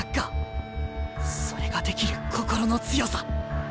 それができる心の強さ！